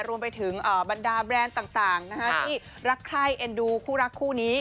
รวมไปถึงบรรดาแบรนด์ต่างที่รักใคร้เอ็นดูคู่รักคู่นี้